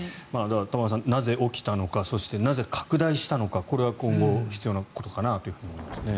玉川さん、なぜ起きたのかそしてなぜ拡大したのかこれは今後、必要なことかなと思いますね。